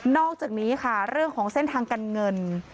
อกจากนี้ค่ะเรื่องของเส้นทางการเงิน